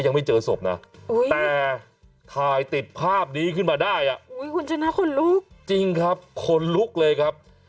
ยังไม่เจอศพนะแต่ถ่ายติดภาพนี้ขึ้นมาได้อ่ะคุณชนะขนลุกจริงครับคนลุกเลยครับ